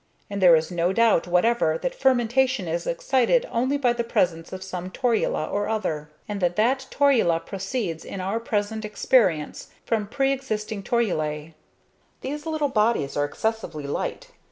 And there is no doubt whatever that fermentation is excited only by the presence of some torula or other, and that that torula proceeds in our present experience, from pre existing torulae. These little bodies are excessively light.